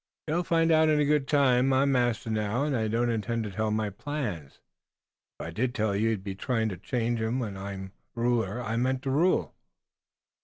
"You'll find out in good time. I'm master now, and I don't intend to tell my plans. If I did you'd be trying to change 'em. While I'm ruler I mean to be ruler."